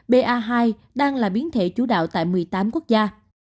ba hai đang là biến thể chủ đạo tại một mươi tám quốc gia